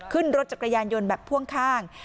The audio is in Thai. ขึ้นรถจักรยานยนต์แบบพ่วงข้าง